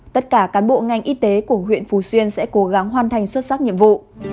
tất cả cán bộ ngành y tế của huyện phú xuyên sẽ cố gắng hoàn thành xuất sắc nhiệm vụ